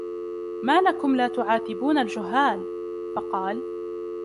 مَا لَكُمْ لَا تُعَاتِبُونَ الْجُهَّالَ ؟ فَقَالَ